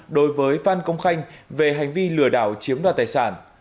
đối với phan công khanh về hành vi lừa đảo chiếm đoạt tài sản